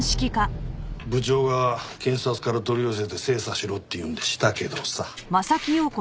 部長が検察から取り寄せて精査しろっていうんでしたけどさ。